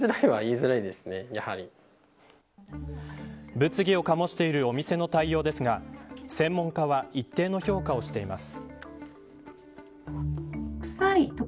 物議を醸しているお店の対応ですが専門家は一定の評価をしています。